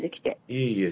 いえいえ。